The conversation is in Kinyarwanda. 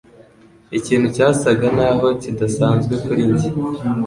Ikintu cyasaga naho kidasanzwe kuri njye.